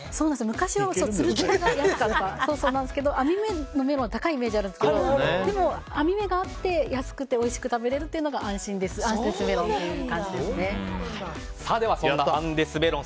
昔はつるつるのやつだったんですが網目のメロンは高いイメージがあるんですけどでも、網目があって安くておいしく食べられるのがそんなアンデスメロン